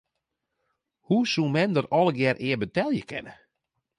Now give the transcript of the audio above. Hoe soe mem dat allegearre ea betelje kinne?